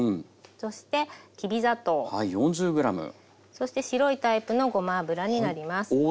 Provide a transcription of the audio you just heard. そして白いタイプのごま油になります。